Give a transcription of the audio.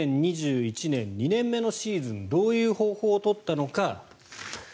２０２１年、２年目のシーズンどういう方法を取ったのか。